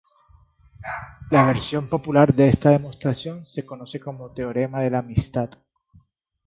La versión popular de esta demostración se conoce como teorema de la amistad.